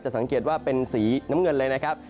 สังเกตว่าเป็นสีน้ำเงินเลยนะครับ